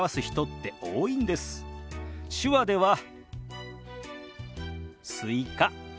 手話では「スイカ」。